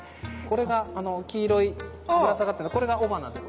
黄色いぶら下がってるこれが雄花です。